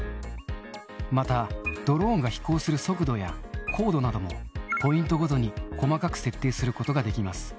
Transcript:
また、ドローンが飛行する速度や、高度なども、ポイントごとに細かく設定することができます。